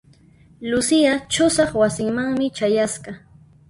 Lucia ch'usaq wasimanmi chayasqa.